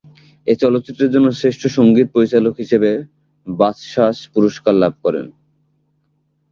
এ চলচ্চিত্রের জন্য শ্রেষ্ঠ সঙ্গীত পরিচালক হিসেবে বাচসাস পুরস্কার লাভ করেন।